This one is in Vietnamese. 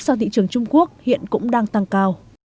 sang thị trường trung quốc hiện cũng đang tăng cao